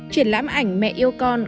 triển lãm ảnh mẹ yêu con